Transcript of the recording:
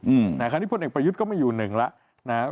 อืมค่ะที่พลเอกประยุทธ์ก็ไม่อยู่หนึ่งละ